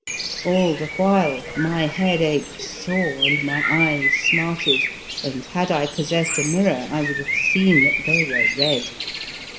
All the while my head ached sore and my eyes smarted, and, had I possessed a mirror, I would have seen that they were red.